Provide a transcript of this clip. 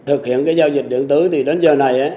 thực hiện cái giao dịch điện tử thì đến giờ này